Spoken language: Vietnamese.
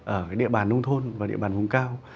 ở địa bàn nông thôn và địa bàn vùng cao